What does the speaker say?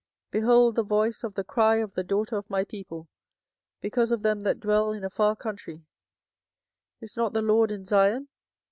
24:008:019 Behold the voice of the cry of the daughter of my people because of them that dwell in a far country: Is not the LORD in Zion?